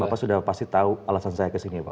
bapak sudah pasti tahu alasan saya kesini pak